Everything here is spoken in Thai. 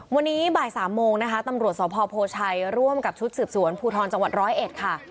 วันนี้บ่าย๓โมงนะคะตำรวจสพโพชัยร่วมกับชุดสืบสวนภูทรจังหวัดร้อยเอ็ดค่ะ